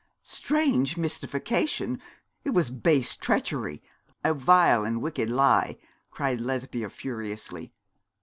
'Strange mystification! It was base treachery a vile and wicked lie!' cried Lesbia, furiously.